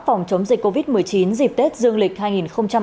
phòng chống dịch covid một mươi chín dịp tết dương lịch hai nghìn hai mươi